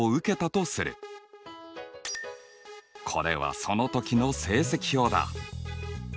これはその時の成績表だ。